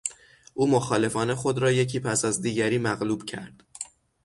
او مخالفان خود را یکی پس از دیگری مغلوب کرد.